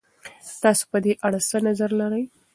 تاسې په دې اړه څه نظر لرئ؟